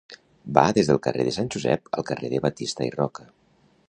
Va des del carrer de Sant Josep al carrer de Batista i Roca.